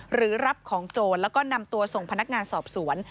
หรือรับของโจรแล้วก็นำตัวส่งพนักงานสอบสวน